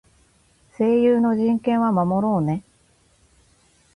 声優の人権は守ろうね。